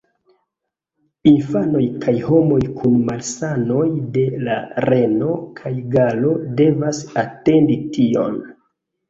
Infanoj kaj homoj kun malsanoj de la reno kaj galo devas atendi tion.